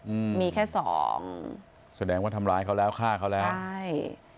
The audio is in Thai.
อืมมีแค่สองแสดงว่าทำร้ายเขาแล้วฆ่าเขาแล้วใช่